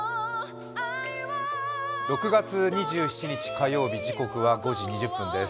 ６月２７日、火曜日時刻は５時２０分です。